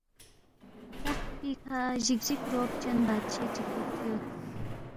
تخت پیکھہ جِگجِگ رعب چن بادشے چِک دُوکسے یود،